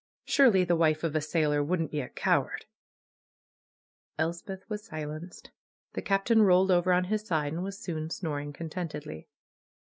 Surely the wife of a sailor wouldn't be a coward !" Elspeth was silenced. The Captain rolled over on his side, and was soon snoring contentedly.